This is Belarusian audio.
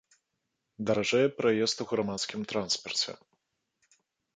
Даражэе праезд у грамадскім транспарце.